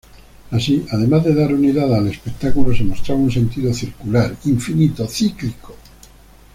Así, además de dar unidad al espectáculo, se mostraba un sentido circular, infinito, cíclico.